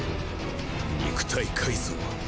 肉体改造